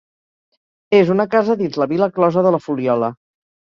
És una casa dins la Vila closa de la Fuliola.